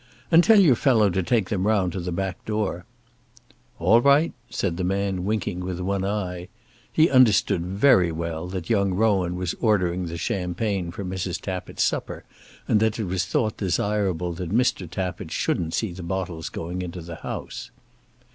"And tell your fellow to take them round to the back door." "All right," said the man, winking with one eye. He understood very well that young Rowan was ordering the champagne for Mrs. Tappitt's supper, and that it was thought desirable that Mr. Tappitt shouldn't see the bottles going into the house.